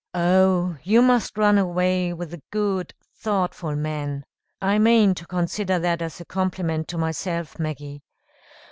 "Oh, you must run away with the good, thoughtful men (I mean to consider that as a compliment to myself, Maggie!)